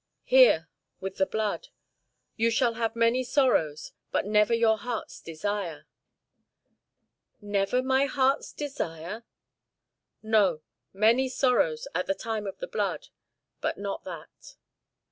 "Here, with the blood. You shall have many sorrows, but never your heart's desire." "Never my heart's desire?" "No. Many sorrows, at the time of the blood, but not that."